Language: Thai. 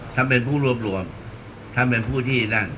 ถ้าเป็นผู้รวมถ้าเป็นผู้ที่นั่น